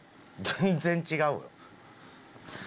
全然違うわ。